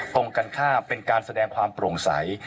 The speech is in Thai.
ตรงกันข้ามเป็นการแสดงความโปร่งใส